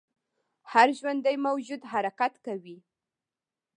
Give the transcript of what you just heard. هر ژوندی موجود حرکت کوي